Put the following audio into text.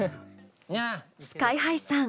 ＳＫＹ−ＨＩさん